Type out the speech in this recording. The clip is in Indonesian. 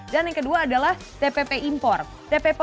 dan yang kedua adalah tpp import